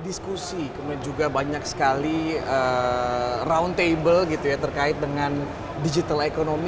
diskusi kemudian juga banyak sekali round table terkait dengan digital economy